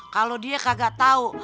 kalau dia kagak tau